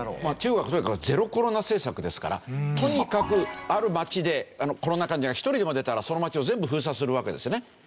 まあ中国はとにかくゼロコロナ政策ですからとにかくある町でコロナ患者が１人でも出たらその町を全部封鎖するわけですね。